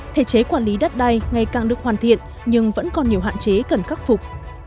thể chế quản lý đất đai ngày càng được hoàn thiện nhưng vẫn còn nhiều hạn chế cần khắc phục